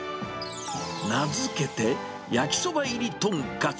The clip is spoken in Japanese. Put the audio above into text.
名付けて、焼きそば入りトンカツ。